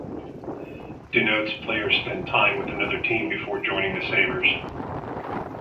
Denotes player spent time with another team before joining the Sabres.